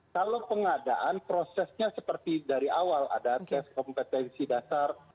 kalau pengadaan prosesnya seperti dari awal ada tes kompetensi dasar